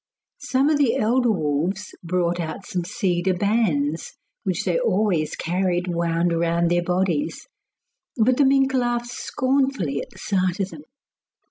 Some of the elder wolves brought out some cedar bands, which they always carried wound round their bodies, but the mink laughed scornfully at the sight of them.